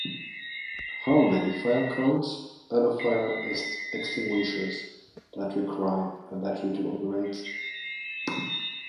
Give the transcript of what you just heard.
How many fire codes allow fire extinguishers that require a battery to operate?